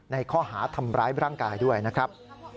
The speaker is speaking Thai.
ในข้อหาทำร้ายร่างกายด้วยนะครับ